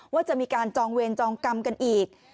ว่าจะมีการจองเวรจองกรรมกันอีก